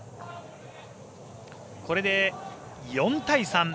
これで、４対３。